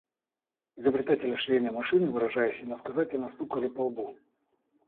Изобретателя швейной машины, выражаясь иносказательно, стукали по лбу.